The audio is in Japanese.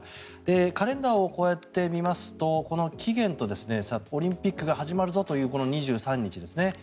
カレンダーをこうやって見ますとこの期限とオリンピックが始まるぞという２３日ですね